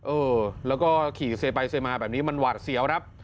เออแล้วก็ขี่เซไปเซมาแบบนี้มันหวาดเสียวครับ